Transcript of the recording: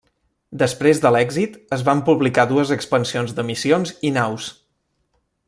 Després de l'èxit, es van publicar dues expansions de missions i naus.